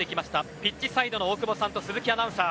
ピッチサイドの大久保さんと鈴木アナウンサー。